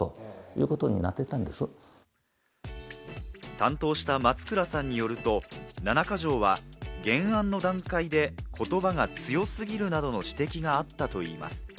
担当した松倉さんによると、七か条は原案の段階で言葉が強すぎるなどの指摘があったといいます。